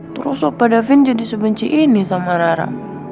terus opa davin jadi sebenci ini sama rara